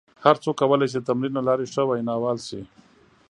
هر څوک کولای شي د تمرین له لارې ښه ویناوال شي.